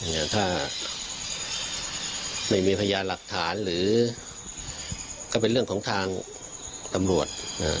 อย่างถ้าไม่มีพยายามหรือก็เป็นเรื่องของทางตำรวจอ่า